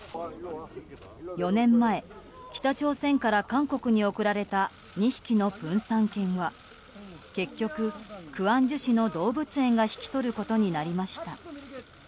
４年前、北朝鮮から韓国に贈られた２匹のプンサン犬は結局、クアンジュ市の動物園が引き取ることになりました。